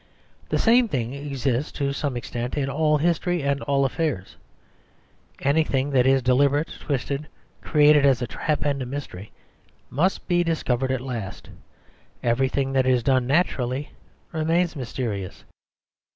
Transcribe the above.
The same thing exists to some extent in all history and all affairs. Anything that is deliberate, twisted, created as a trap and a mystery, must be discovered at last; everything that is done naturally remains mysterious.